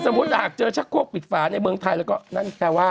ถ้าสมมุติอากเจอชักโคกปิดฝานในเมืองไทยเราก็แปลว่า